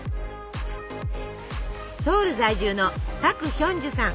ソウル在住のパク・ヒョンジュさん。